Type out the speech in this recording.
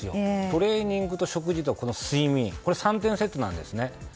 トレーニングと食事と睡眠これ、３点セットなんですね。